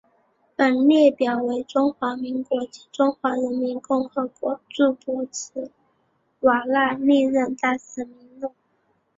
本列表为中华民国及中华人民共和国驻博茨瓦纳历任大使名录。